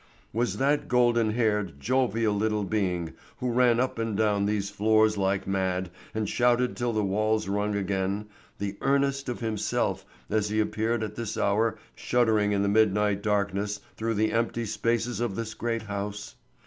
Was that golden haired, jovial little being who ran up and down these floors like mad and shouted till the walls rung again, the earnest of himself as he appeared at this hour shuddering in the midnight darkness through the empty spaces of this great house?